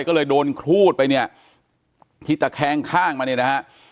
ก็เลยโดนครูดไปเนี่ยที่ตะแคงข้างมาเนี่ยนะฮะ